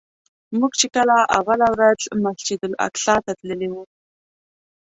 موږ چې کله اوله ورځ مسجدالاقصی ته تللي وو.